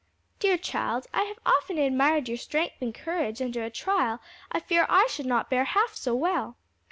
"Dear child, I have often admired your strength and courage under a trial I fear I should not bear half so well."